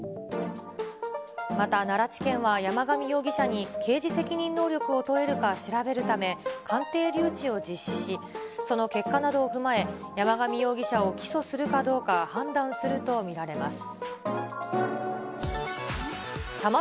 また奈良地検は、山上容疑者に刑事責任能力を問えるか調べるため、鑑定留置を実施し、その結果などを踏まえ、山上容疑者を起訴するかどうか、判断すると見られます。